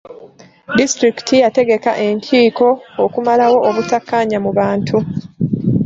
Disitulikiti yategeka enkiiko okumalawo obutakkaanya mu bantu.